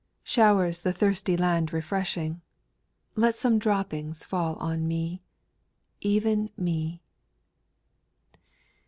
428 Showers the thirsty land refreshing ; Let some droppings fall on me, — Even me.